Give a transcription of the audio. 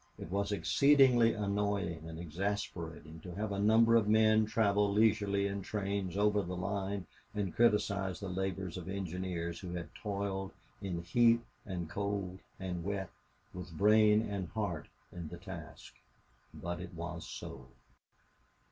It was exceedingly annoying and exasperating to have a number of men travel leisurely in trains over the line and criticize the labors of engineers who had toiled in heat and cold and wet, with brain and heart in the task. But it was so.